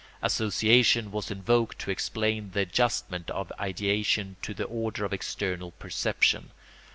Association was invoked to explain the adjustment of ideation to the order of external perception.